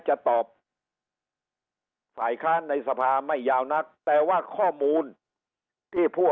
จะตอบฝ่ายค้านในสภาไม่ยาวนักแต่ว่าข้อมูลที่ผู้